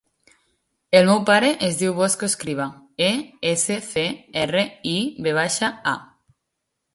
El meu pare es diu Bosco Escriva: e, essa, ce, erra, i, ve baixa, a.